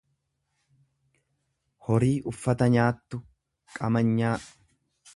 horii uffata nyaattu, qamanyaa.